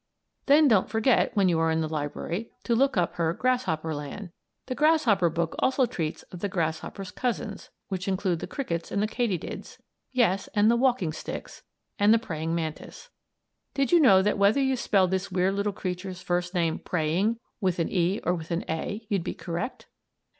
Then don't forget, when you are in the library, to look up her "Grasshopper Land." The grasshopper book also treats of the grasshopper's cousins, which include the crickets and the katydids; yes, and the "walking sticks"; and the "praying mantis." (Did you know that whether you spell this weird little creature's first name, "praying," with an "e" or an "a" you'd be correct?)